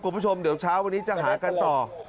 คุณผู้ชมเดี๋ยวเช้าวันนี้จะหากันต่อ